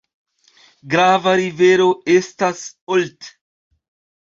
Grava rivero estas Olt.